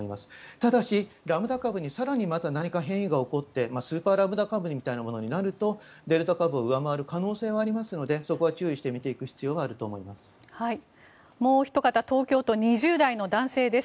ただし、ラムダ株に更にまた何か変異が起こってスーパーラムダ株みたいになるとデルタ株を上回る可能性はありますのでそこは注意して見ていく必要があると思います。